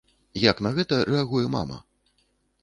Як на гэта рэагуе мама?